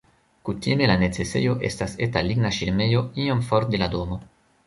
Kutime la necesejo estas eta ligna ŝirmejo iom for de la domo.